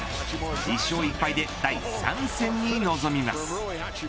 １勝１敗で第３戦に臨みます。